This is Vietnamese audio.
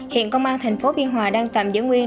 hiện công an thành phố biên hòa đang tạm giữ nguyên